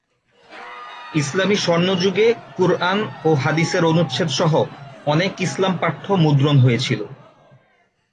ইসলামি স্বর্ণযুগে কুরআন ও হাদিসের অনুচ্ছেদ সহ অনেক ইসলাম পাঠ্য মুদ্রণ হয়েছিল।